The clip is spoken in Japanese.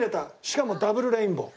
しかもダブルレインボー。